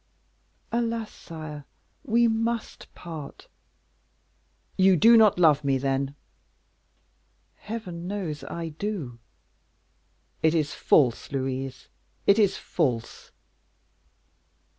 "Alas! sire, we must part." "You do not love me, then!" "Heaven knows I do!" "It is false, Louise; it is false."